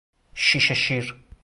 شیشه شیر